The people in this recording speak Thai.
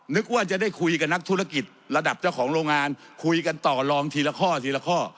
นึกว่าจะได้คุยกับนักธุรกิจระดับเจ้าของโรงงานคุยกันต่อลองทีละข้อทีละข้อ